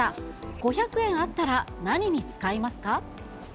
５００円あったら何に使いますか？